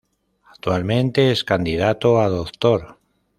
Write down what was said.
Actualmente es candidato a Doctor.